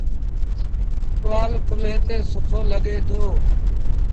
ٽوآل ڪلهي تي سُٺو لڳي دو